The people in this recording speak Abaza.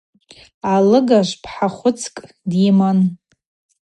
Алыгажв пхӏа хвыцкӏ дйыман.